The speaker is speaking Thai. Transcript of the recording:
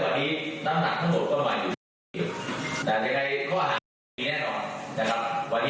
แต่ว่าที่มันเยอะกว่านี้